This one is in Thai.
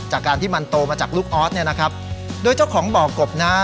จากการที่มันโตมาจากลูกออสเนี่ยนะครับโดยเจ้าของบ่อกบนะฮะ